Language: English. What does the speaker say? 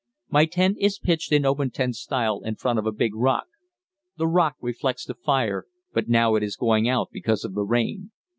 My tent is pitched in open tent style in front of a big rock. The rock reflects the fire, but now it is going out because of the rain.